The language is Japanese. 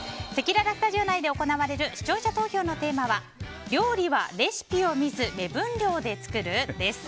せきららスタジオ内で行われる視聴者投票のテーマは料理はレシピを見ず目分量で作る？です。